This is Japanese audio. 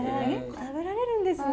食べられるんですね。